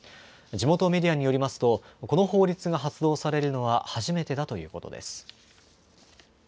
地元メディアによりますとこの法律が発動されるのは初めてだということです。